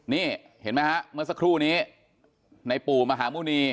นี่เห็นไหมฮะเมื่อสักครู่นี้ในปู่มหาหมุณี